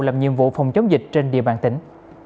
làm nhiệm vụ phòng chống dịch trên địa bàn tỉnh